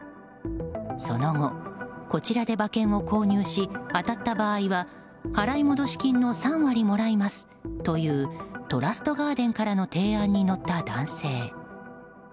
その後、こちらで馬券を購入し当たった場合は払戻金の３割もらいますというトラストガーデンからの提案に乗った男性。